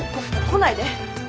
来ないで。